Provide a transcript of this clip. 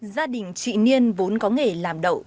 gia đình trị niên vốn có nghề làm đậu